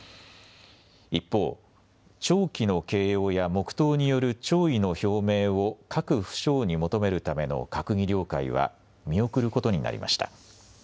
一方、弔旗の掲揚や黙とうによる弔意の表明を各府省に求めるための閣議了解は見送ることになりました。